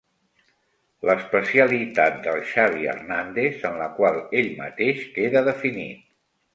L'especialitat del Xavi Hernández en la qual ell mateix queda definit.